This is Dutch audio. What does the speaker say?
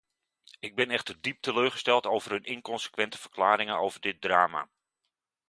Ik ben echter diep teleurgesteld over hun inconsequente verklaringen over dit drama.